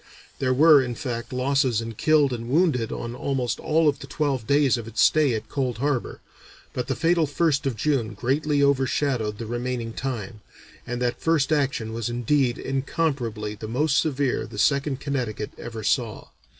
There were, in fact, losses in killed and wounded on almost all of the twelve days of its stay at Cold Harbor, but the fatal 1st of June greatly overshadowed the remaining time, and that first action was indeed incomparably the most severe the Second Connecticut ever saw.